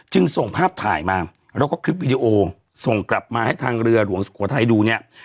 ส่งภาพถ่ายมาแล้วก็คลิปวิดีโอส่งกลับมาให้ทางเรือหลวงสุโขทัยดูเนี่ย